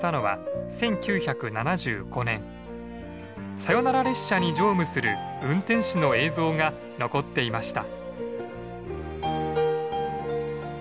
サヨナラ列車に乗務する運転士の映像が残っていました。